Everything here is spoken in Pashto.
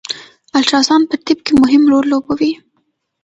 الټراساونډ په طب کی مهم رول لوبوي